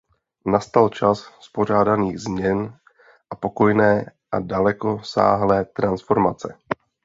Nastal čas spořádaných změn a pokojné a dalekosáhlé transformace.